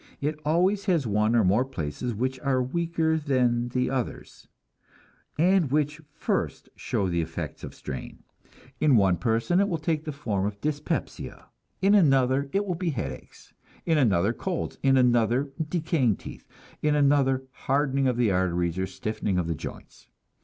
It always has one or more places which are weaker than the others, and which first show the effects of strain. In one person it will take the form of dyspepsia, in another it will be headaches, in another colds, in another decaying teeth, in another hardening of the arteries or stiffening of the joints.